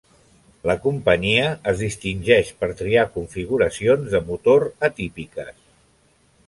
La companyia es distingeix per triar configuracions de motor atípiques.